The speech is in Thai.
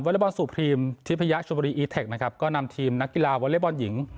บอลสู่พรีมทิพยชมบุรีอีเทคนะครับก็นำทีมนักกีฬาวอเล็กบอลหญิง